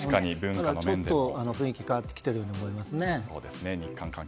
ちょっと雰囲気が変わってきていると思いますね。